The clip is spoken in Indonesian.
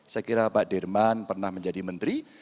saya kira pak dirman pernah menjadi menteri